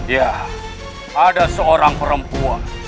ya ada seorang perempuan